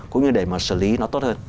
cũng như để mà xử lý nó tốt hơn